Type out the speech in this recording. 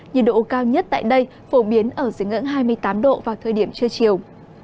nhiệt độ cao nhất tại đây phổ biến ở dưới ngưỡng hai mươi tám độ vào thời điểm trưa chiều